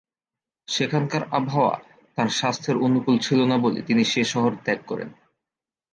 সেখানকার আবহাওয়া তাঁর স্বাস্থ্যের অনুকূল ছিল না বলে তিনি সে শহর ত্যাগ করেন।